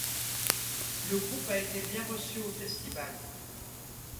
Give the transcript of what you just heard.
Le groupe a été bien reçu au festival.